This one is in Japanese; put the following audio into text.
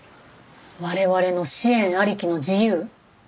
我々の支援ありきの自由？